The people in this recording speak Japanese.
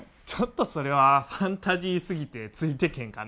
ちょっとそれはファンタジーすぎて、ついて行けへんかな。